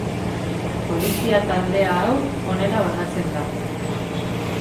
Polizia taldea hau, honela banatzen da.